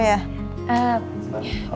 oh iya nih dia capek ya